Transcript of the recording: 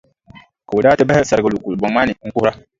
Ka o daa ti bahi sarigi lu kulibɔŋ maa ni n-kuhira.